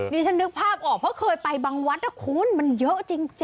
นี่ฉันนึกภาพออกเพราะเคยไปบางวัดนะคุณมันเยอะจริง